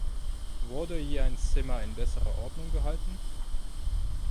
Wurde je ein Zimmer in besserer Ordnung gehalten?